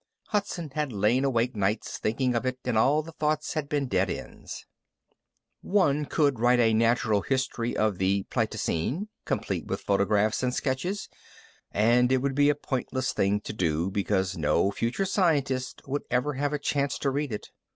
Hudson had lain awake nights thinking of it and all the thoughts had been dead ends. One could write a natural history of the Pleistocene, complete with photographs and sketches, and it would be a pointless thing to do, because no future scientist would ever have a chance to read it.